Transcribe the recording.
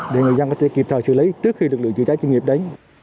để người dân có thể kịp thời xử lý trước khi được lựa chữa cháy chuyên nghiệp đấy